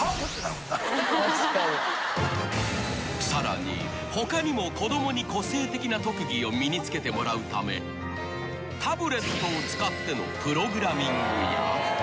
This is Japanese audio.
［さらに他にも子供に個性的な特技を身につけてもらうためタブレットを使っての］